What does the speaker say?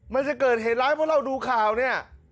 มันจะเกิดเหตุร้ายเพราะเราดูข่าวเนี่ย